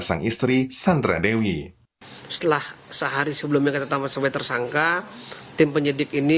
sang istri sandra dewi setelah sehari sebelumnya tetap sampai tersangka tim penyidik ini